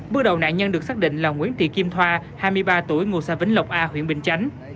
bước đầu nạn nhân được xác định là nguyễn thị kim thoa hai mươi ba tuổi ngụ xã vĩnh lộc a huyện bình chánh